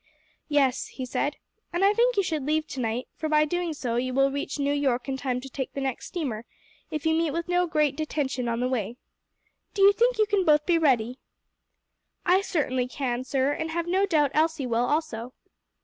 "Yes," he said; "and I think you should leave to night; for by so doing you will reach New York in time to take the next steamer, if you meet with no great detention on the way. Do you think you can both be ready?" "I certainly can, sir, and have no doubt Elsie will also."